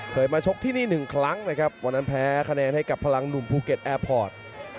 มาชกที่นี่หนึ่งครั้งนะครับวันนั้นแพ้คะแนนให้กับพลังหนุ่มภูเก็ตแอร์พอร์ต